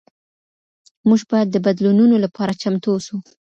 موږ باید د بدلونونو لپاره چمتو اوسو.